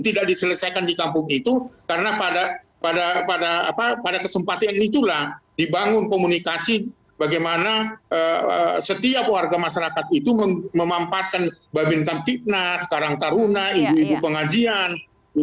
tidak diselesaikan di kampung itu karena pada kesempatan itulah dibangun komunikasi bagaimana setiap warga masyarakat itu memampatkan babin kamtipnas sekarang taruna ibu ibu pengajian